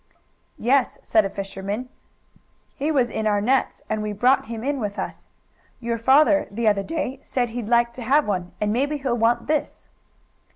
"Yes," said a fisherman, "he was in our nets, and we brought him in with us. Your father, the other day, said he'd like to have one, and maybe he will want this."